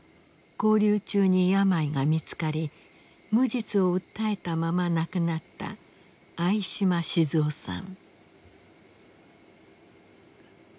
勾留中に病が見つかり無実を訴えたまま亡くなった相嶋静夫さん。